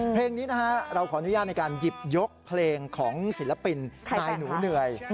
เพลงนี้นะฮะเราขออนุญาตในการหยิบยกเพลงของศิลปินนายหนูเหนื่อย